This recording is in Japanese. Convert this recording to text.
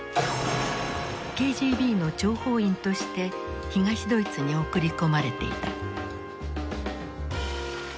ＫＧＢの諜報員として東ドイツに送り込まれていた。